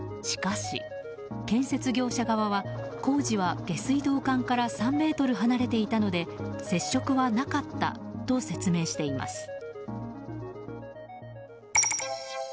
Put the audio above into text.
しかし、建設業者側は工事は下水道管から３ｍ離れていたので接触はなかったと説明しています。